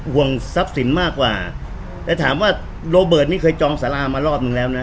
ห่วงทรัพย์สินมากกว่าแต่ถามว่าโรเบิร์ตนี่เคยจองสารามารอบนึงแล้วนะ